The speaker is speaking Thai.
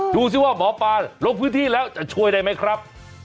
ดูสิว่าหมอปลาลงพื้นที่แล้วจะช่วยได้ไหมครับ